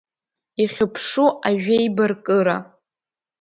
Ихьыԥшу ажәеибаркыра…